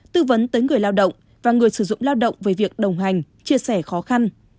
tư vấn tới người lao động và người sử dụng lao động về việc đồng hành chia sẻ khó khăn